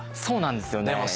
そうなんですよね。